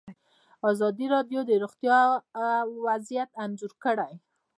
ازادي راډیو د روغتیا وضعیت انځور کړی.